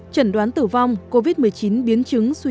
trần đoán tử vong covid một mươi chín biến chứng suy